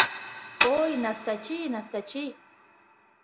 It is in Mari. Ой, Настачи, Настачи